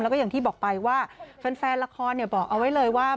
แล้วก็อย่างที่บอกไปว่าแฟนละครบอกเอาไว้เลยว่า